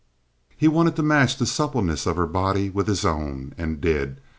He wanted to match the suppleness of her body with his own, and did.